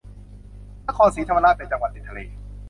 นครศรีธรรมราชเป็นจังหวัดติดทะเล